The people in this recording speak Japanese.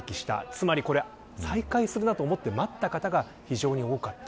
つまり再開するなと思って待った方が非常に多かった。